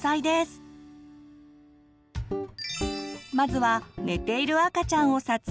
まずは寝ている赤ちゃんを撮影する時。